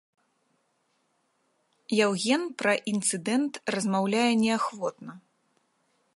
Яўген пра інцыдэнт размаўляе неахвотна.